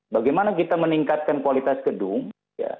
bagaimana kita meningkatkan kualitas gedung ya